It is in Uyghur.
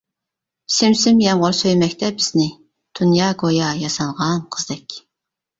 سىم سىم يامغۇر سۆيمەكتە بىزنى، دۇنيا گويا ياسانغان قىزدەك.